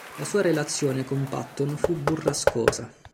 La sua relazione con Patton fu burrascosa.